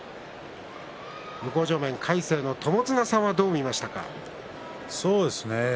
向正面、魁聖の友綱さんはどう見ましたか？